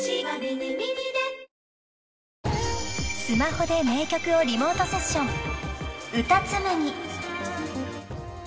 ［スマホで名曲をリモートセッション］